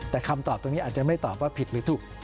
แต่คำตอบตรงนี้อาจจะไม่ตอบว่าผิดหรือถูก